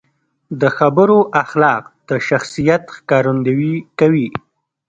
د خبرو اخلاق د شخصیت ښکارندويي کوي.